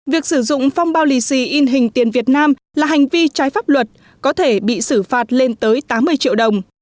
việc sử dụng phong bao lì xì in hình tiền việt nam là hành vi trái pháp luật có thể bị xử phạt lên tới tám mươi triệu đồng